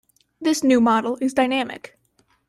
This new model is dynamic.